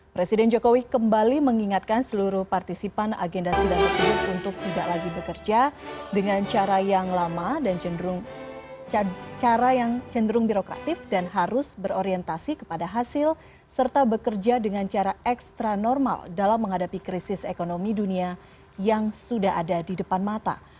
presiden joko widodo kembali mengingatkan seluruh partisipan agendasi dan resmi untuk tidak lagi bekerja dengan cara yang lama dan cenderung birokratif dan harus berorientasi kepada hasil serta bekerja dengan cara ekstra normal dalam menghadapi krisis ekonomi dunia yang sudah ada di depan mata